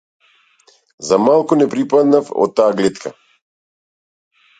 За малку не припаднав од таа глетка.